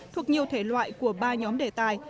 thuộc nhiều thể loại của ba nhóm đề tài